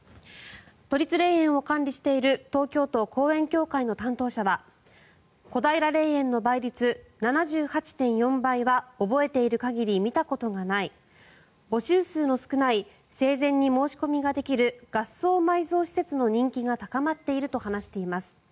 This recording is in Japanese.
都立霊園を管理している東京都公園協会の担当者は小平霊園の倍率７８．４倍は覚えている限り見たことがない募集数の少ない生前に申し込みができる合葬埋蔵施設の人気が高まっていると話しています。